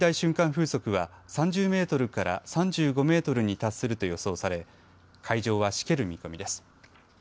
風速は３０メートルから３５メートルに達すると予想され海上はしける見込みです。